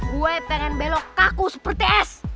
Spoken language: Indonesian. gue pengen belok kaku seperti es